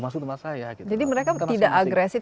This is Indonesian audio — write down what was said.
masuk tempat saya jadi mereka tidak agresif